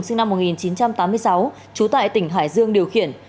sinh năm một nghìn chín trăm tám mươi sáu trú tại tỉnh hải dương điều khiển